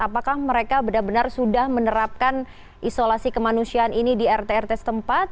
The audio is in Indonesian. apakah mereka benar benar sudah menerapkan isolasi kemanusiaan ini di rt rt setempat